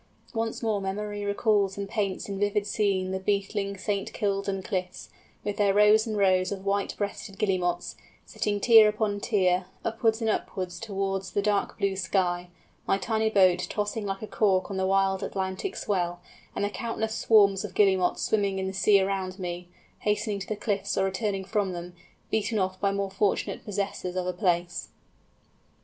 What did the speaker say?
Once more memory recalls and paints in vivid scene the beetling St. Kildan cliffs, with their rows and rows of white breasted Guillemots, sitting tier upon tier, upwards and upwards towards the dark blue sky; my tiny boat tossing like a cork on the wild Atlantic swell, and the countless swarms of Guillemots swimming in the sea around me, hastening to the cliffs or returning from them, beaten off by more fortunate possessors of a place.